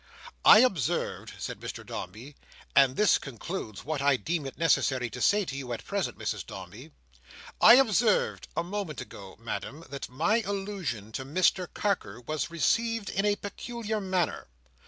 "I observed," said Mr Dombey—"and this concludes what I deem it necessary to say to you at present, Mrs Dombey—I observed a moment ago, Madam, that my allusion to Mr Carker was received in a peculiar manner.